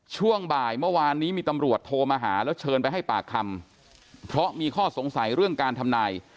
ช่วงบ่ายเมื่อวานนี้มีตำรวจโทรมาหาแล้วเชิญไปให้ปากคำเพราะมีข้อสงสัยเรื่องการทำนาย